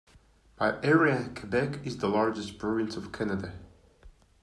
By area, Quebec is the largest province of Canada.